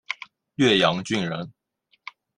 略阳郡人。